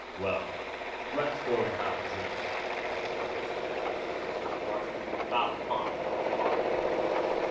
"Well, let's go have a drink," von Schlichten suggested, consulting his watch. "About time for a cocktail."